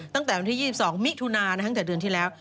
ตั้งแต่วันที่๒๒มิถุนาตั้งแต่เดือนที่แล้ว